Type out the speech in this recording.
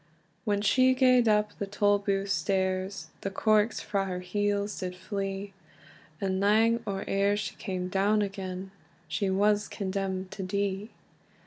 When she gaed up the Tolbooth stairs, The corks frae her heels did flee; And lang or eer she cam down again, She was condemned to die.